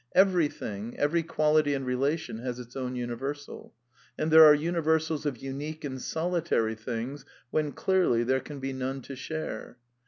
Every thing, every quality and relation has \ its own universal ; and there are universals of unique andr\ solitary things, when, clearly, there can be none to share.